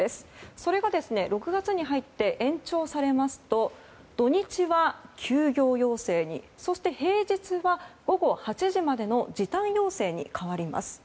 それが６月に入って延長されますと土日は休業要請にそして平日は午後８時までの時短要請に変わります。